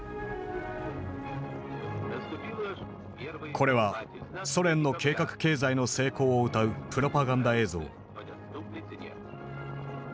これはソ連の計画経済の成功をうたうプロパガンダ映像。